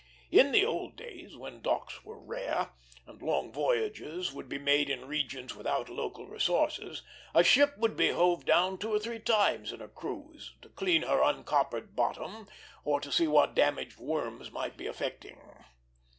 In the old days, when docks were rare, and long voyages would be made in regions without local resources, a ship would be hove down two or three times in a cruise, to clean her uncoppered bottom or to see what damage worms might be effecting.